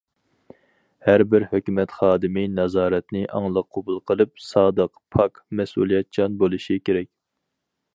ھەر بىر ھۆكۈمەت خادىمى نازارەتنى ئاڭلىق قوبۇل قىلىپ، سادىق، پاك، مەسئۇلىيەتچان بولۇشى كېرەك.